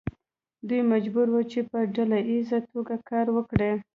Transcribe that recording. دوی مجبور وو چې په ډله ایزه توګه کار وکړي.